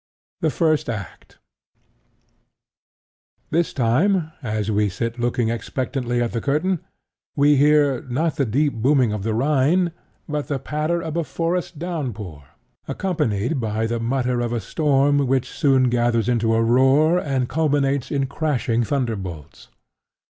The First Act This time, as we sit looking expectantly at the curtain, we hear, not the deep booming of the Rhine, but the patter of a forest downpour, accompanied by the mutter of a storm which soon gathers into a roar and culminates in crashing thunderbolts.